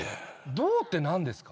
どうって何ですか。